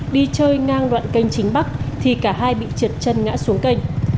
đi chơi ngang đoạn canh chính bắc thì cả hai bị trượt chân ngã xuống kênh